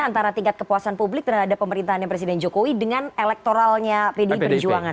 antara tingkat kepuasan publik terhadap pemerintahnya presiden jokowi dengan elektoralnya pdi perjuangan